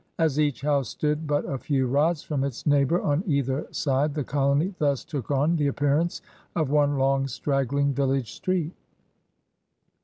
As each house stood but a few rods from its neighbor on either side> the colony thus took on the appearance of one long, straggling, village street.